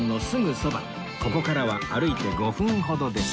ここからは歩いて５分ほどです